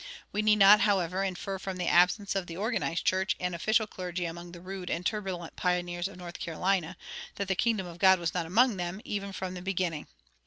We need not, however, infer from the absence of organized church and official clergy among the rude and turbulent pioneers of North Carolina that the kingdom of God was not among them, even from the beginning.